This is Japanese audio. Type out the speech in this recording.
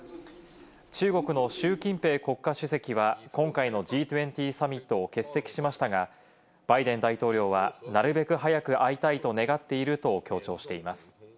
中国のシュウ・キンペイ国家主席は今回のＧ２０サミットを欠席しましたが、バイデン大統領はなるべく早く会いたいと願っていると強調しています。